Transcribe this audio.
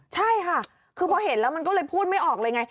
ใช่ค่ะคือพอเห็นแล้วมันก็เลยพูดไม่ออกเลยไง